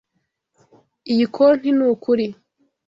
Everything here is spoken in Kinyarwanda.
Iyi konti nukuri.